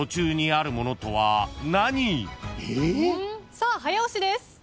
さあ早押しです。